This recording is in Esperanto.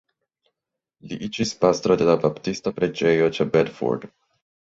Li iĝis pastro de la baptista preĝejo ĉe Bedford.